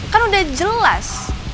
kan udah jelas